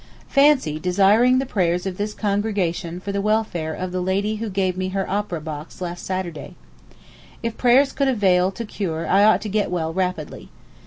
Fancy desiring the prayers of this congregation for the welfare of the lady who gave me her opera box last Saturday. If prayers could avail to cure I ought to get well rapidly.